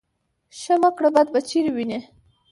ـ ښه مه کړه بد به چېرې وينې.